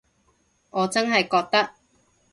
我真係覺得